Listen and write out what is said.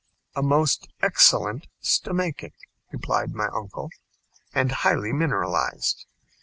"A most excellent stomachic," replied my uncle, "and highly mineralized.